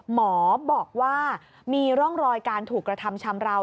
หมอบอกว่ามีร่องรอยการถูกกระทำชำราว